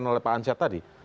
oleh pak ansar tadi